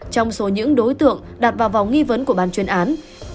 trong số những đối tượng đặt vào vòng nghi vấn của ban chuyên án